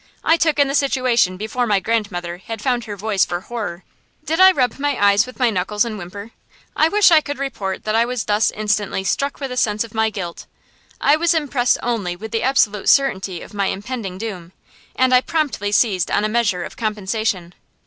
I took in the situation before my grandmother had found her voice for horror. Did I rub my eyes with my knuckles and whimper? I wish I could report that I was thus instantly struck with a sense of my guilt. I was impressed only with the absolute certainty of my impending doom, and I promptly seized on a measure of compensation.